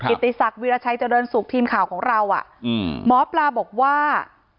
อิตติศักดิ์วิราชัยเจ้าเดินสุขทีมข่าวของเราหมอปลาบอกว่า